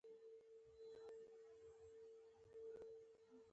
یوازي یو ځلې دغه ډول حالت پر ما راغلی.